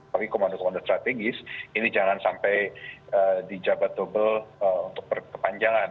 tapi komando komando strategis ini jangan sampai di jabat dobel untuk berkepanjangan